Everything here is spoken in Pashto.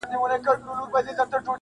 په والله چي ته هغه یې بل څوک نه یې!٫.